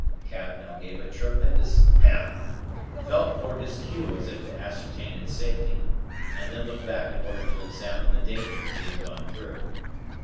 Cap now gave a tremendous hem, felt for his queue as if to ascertain its safety, and then looked back in order to examine the danger he had gone through.